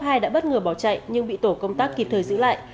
hai đã bất ngờ bỏ chạy nhưng bị tổ công tác kịp thời giữ lại